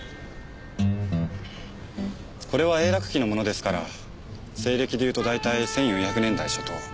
これは永楽期のものですから西暦でいうと大体１４００年代初頭。